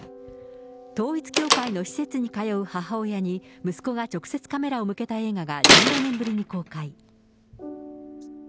統一教会の施設に通う母親に、息子が直接カメラを向けた映画が１５年ぶりに公開。